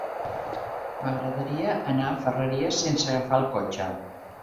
M'agradaria anar a Ferreries sense agafar el cotxe.